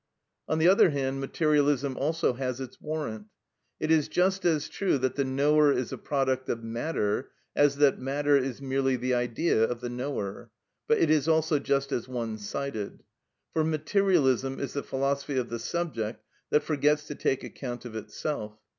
On the other hand, materialism also has its warrant. It is just as true that the knower is a product of matter as that matter is merely the idea of the knower; but it is also just as one sided. For materialism is the philosophy of the subject that forgets to take account of itself.